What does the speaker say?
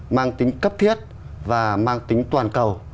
mang tính cấp thiết và mang tính toàn cầu